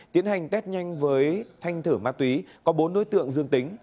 tiến hành test nhanh với thanh thử ma túy có bốn đối tượng dương tính